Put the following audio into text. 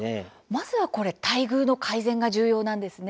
まずは待遇の改善が重要なんですね。